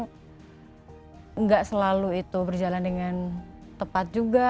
tidak selalu itu berjalan dengan tepat juga